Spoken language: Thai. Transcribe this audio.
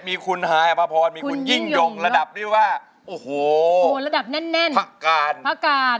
มีคุณหายอภพรมีคุณยิ่งหยกระดับที่ว่าโอ้โหระดับแน่นผักการ